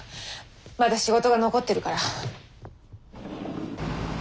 まだ仕事が残ってるから。